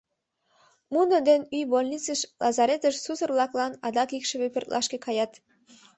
Муно ден ӱй больницыш, лазаретыш сусыр-влаклан, адак икшыве пӧртлашке каят.